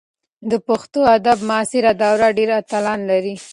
د پښتو ادب معاصره دوره ډېر اتلان لري.